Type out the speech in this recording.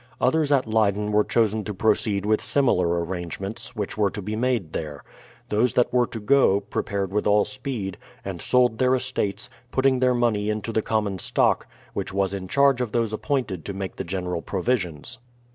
Others at Leyden were chosen to proceed with similar arrangements which were to be made there. Those that were to go, prepared with all speed, and sold their estates, putting their money into the common THE PLYMOUTH SETTLEMENT 37 stock, which was in charge of those appointed to make the general provisions.